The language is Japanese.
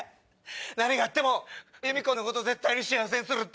何があってもユミコのこと絶対に幸せにするって。